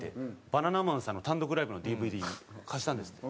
バナナマンさんの単独ライブのＤＶＤ貸したんですって。